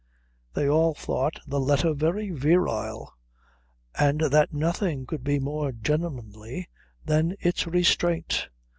They all thought the letter very virile, and that nothing could be more gentlemanly than its restraint.